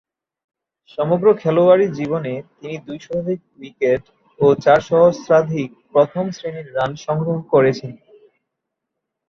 সমগ্র খেলোয়াড়ী জীবনে তিনি দুই শতাধিক উইকেট ও চার সহস্রাধিক প্রথম-শ্রেণীর রান সংগ্রহ করেছেন।